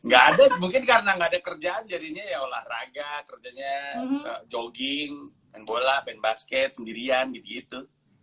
gak ada mungkin karena gak ada kerjaan jadinya ya olahraga kerjanya jogging main bola main basket sendirian gitu gitu